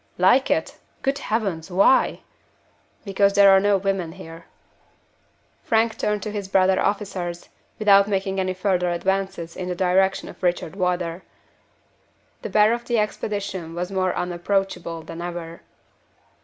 "Like it? Good Heavens! why?" "Because there are no women here." Frank turned to his brother officers, without making any further advances in the direction of Richard Wardour. The Bear of the Expedition was more unapproachable than ever.